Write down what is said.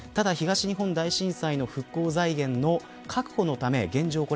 東日本大震災の復興財源確保のため現状